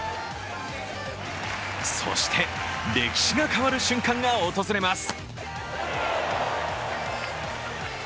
そして、歴史が変わる瞬間が訪れます。